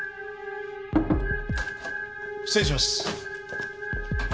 失礼します。